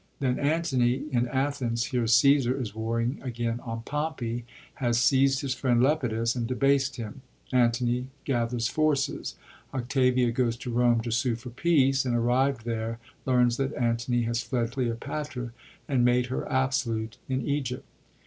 Then Antony, in Athens, hears Caesar is warring again on Pompey, has seizd his friend Lepidus and debased him. Antony gathers forces. Octavia goes to Rome to sue for peace, and arrived there, learns that Antony has fled to Cleo patra, and made her absolute in Egypt.